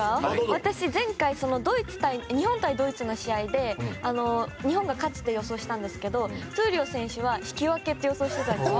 私前回、日本対ドイツの試合で日本が勝つと予想したんですが闘莉王選手は引き分けと予想してたんです。